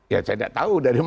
ya saya tidak tahu dari mana